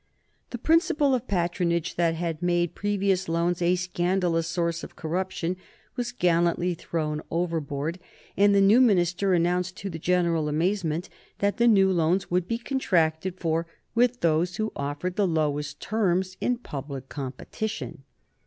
The principle of patronage that had made previous loans a scandalous source of corruption was gallantly thrown overboard; and the new minister announced to the general amazement that the new loans would be contracted for with those who offered the lowest terms in public competition.